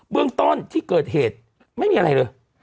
เรื่องต้นที่เกิดเหตุไม่มีอะไรเลย